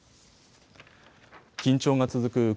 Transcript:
緊張が続く